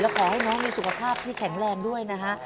ขอให้น้องมีสุขภาพที่แข็งแรงด้วยนะฮะ